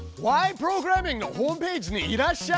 プログラミング」のホームページにいらっしゃい。